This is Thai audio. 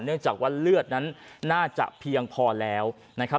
เนื่องจากว่าเลือดนั้นน่าจะเพียงพอแล้วนะครับ